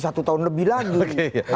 satu tahun lebih lagi